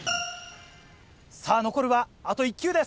さぁ残るはあと１球です。